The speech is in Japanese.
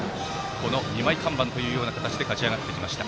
この２枚看板という形で勝ち上がってきました